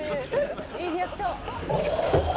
「いいリアクション」